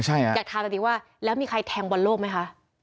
อยากถามแบบนี้ว่าแล้วมีใครแทงบอลโลกไหมคะ